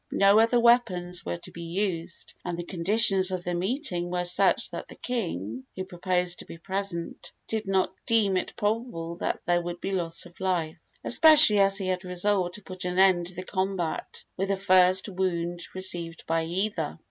No other weapons were to be used, and the conditions of the meeting were such that the king, who proposed to be present, did not deem it probable that there would be loss of life, especially as he had resolved to put an end to the combat with the first wound received by either.